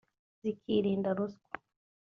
zikirinda ruswa